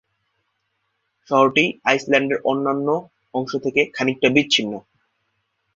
শহরটি আইসল্যান্ডের অন্যান্য অংশ থেকে খানিকটা বিচ্ছিন্ন।